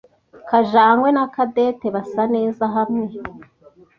Kajangwe Na Cadette basa neza hamwe.